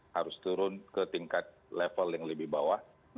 harus turun ke tingkat level yang lebih bawah